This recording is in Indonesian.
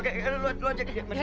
oke yaudah lo ajak dia